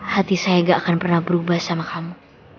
hati saya gak akan pernah berubah sama kamu